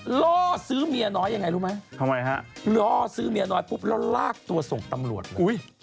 รอซื้อเมียน้อยอย่างไรรู้ไหมรอซื้อเมียน้อยปุ๊บแล้วลากตัวส่งตำรวจมา